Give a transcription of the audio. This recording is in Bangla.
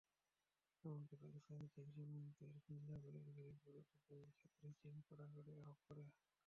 এমনকি পাকিস্তান-চীন সীমান্তের খুঞ্জারেব গিরিপথ অতিক্রমের ক্ষেত্রে চীন কড়াকড়ি আরোপ করে।